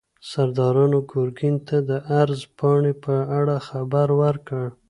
سردارانو ګورګین ته د عرض پاڼې په اړه خبر ورکړ.